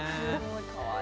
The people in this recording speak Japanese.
かわいい。